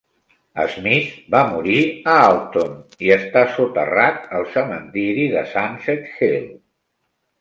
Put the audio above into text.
Smith va morir a Alton i està soterrat al cementiri de Sunset Hill.